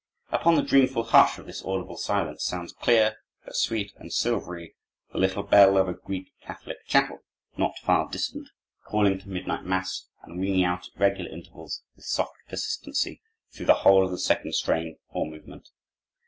Upon the dreamful hush of this audible silence sounds clear, but sweet and silvery, the little bell of a Greek Catholic chapel, not far distant, calling to midnight mass and ringing out at regular intervals, with soft persistency, through the whole of the second strain or movement.